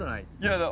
嫌だ。